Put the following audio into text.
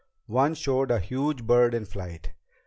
One showed a huge bird in flight.